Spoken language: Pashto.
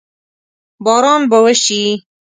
باران به وشي؟